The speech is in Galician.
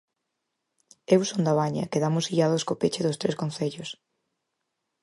Eu son da Baña e quedamos illados co peche dos tres concellos.